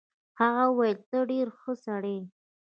هغه وویل ته ډېر ښه سړی یې.